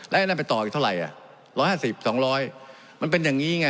แล้วนั่นไปต่ออีกเท่าไหร่อ่ะร้อยห้าสิบสองร้อยมันเป็นอย่างงี้ไง